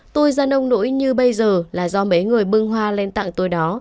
tôi ra ông nỗi như bây giờ là do mấy người bưng hoa lên tặng tôi đó